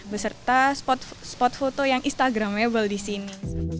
beserta spot foto yang instagramable di sini